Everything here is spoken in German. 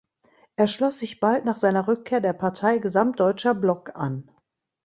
Er schloss sich bald nach seiner Rückkehr der Partei Gesamtdeutscher Block an.